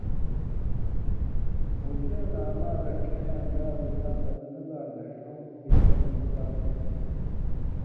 پُھوتیُوں نہ اما رڇَھین٘یاں دارُو تاں بدنہ لا گھݜؤں/رِن٘گؤں پکار تُھو۔